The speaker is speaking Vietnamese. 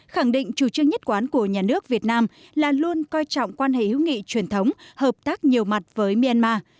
khẳng định chủ trương nhất quán của nhà nước việt nam là luôn coi trọng quan hệ hữu nghị truyền thống hợp tác nhiều mặt với myanmar